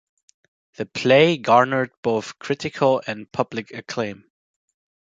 The play garnered both critical and public acclaim.